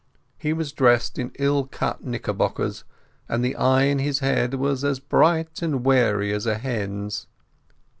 He was dressed in ill cut knickerbockers, and the eye in his head was as bright and wary as a hen's.